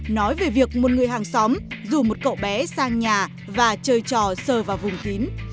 nói về việc một người hàng xóm rủ một cậu bé sang nhà và chơi trò sờ vào vùng tín